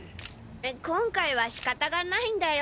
今回は仕方がないんだよ。